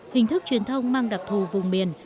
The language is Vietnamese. hình thức truyền thông mang đặc thù vùng miền